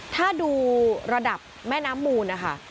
ถ้าดูระดับแม่น้ำมูลนะคะ